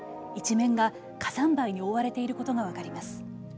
一面が火山灰に覆われていることが分かります。